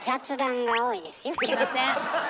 すいません。